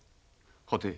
はて？